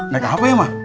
naik apa ya mah